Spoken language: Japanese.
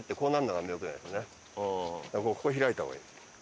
だからここを開いた方がいい。